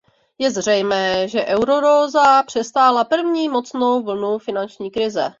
Je zřejmé, že eurozóna přestála první mocnou vlnu finanční krize.